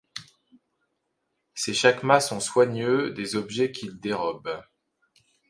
Ces chacmas sont soigneux des objets qu’ils dérobent!